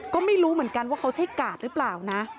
ก็ไม่รู้เหมือนกันว่าเขาใช่กาดหรือเปล่านะ